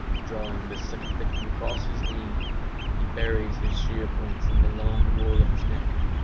Drawing this second victim across his knee, he buries his shear points in the long wool of its neck.